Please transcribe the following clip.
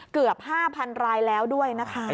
เกือบ๕๐๐๐รายแล้วด้วยนะคะ